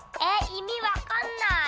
いみわかんない。